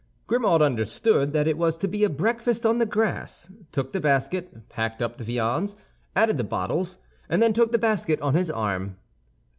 Grimaud understood that it was to be a breakfast on the grass, took the basket, packed up the viands, added the bottles, and then took the basket on his arm.